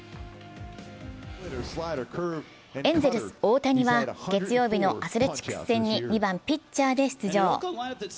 エンゼルス・大谷は月曜日のアスレチックス戦に２番・ピッチャーで出場。